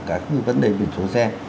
các vấn đề biển số xe